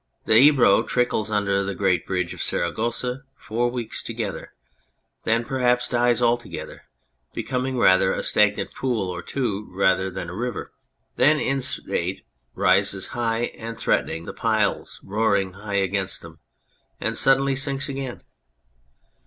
The Ebro trickles under the great bridge of Saragossa for weeks together ; then perhaps dies altogethei', be coming rather a stagnant pool or two than a river ; then, in spate, rises high and threatens the piles, roaring against them, and suddenly sinks again.